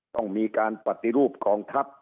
ต้องมีการปฏิรูปกองทัพ